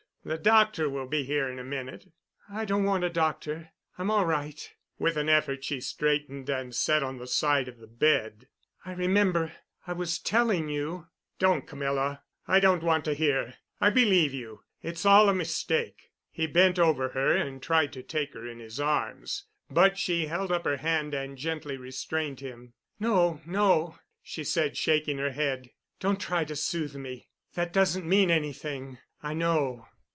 The doctor will be here in a minute." "I don't want a doctor. I'm all right." With an effort she straightened and sat on the side of the bed. "I remember—I was telling you——" "Don't, Camilla. I don't want to hear. I believe you. It's all a mistake." He bent over her and tried to take her in his arms. But she held up her hand and gently restrained him. "No—no," she said shaking her head. "Don't try to soothe me. That doesn't mean anything. I know.